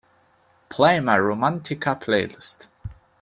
Play my Romántica playlist